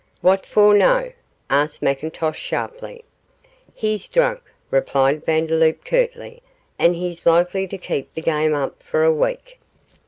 'What for no?' asked McIntosh, sharply. 'He's drunk,' replied Vandeloup, curtly, 'and he's likely to keep the game up for a week.